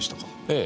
ええ。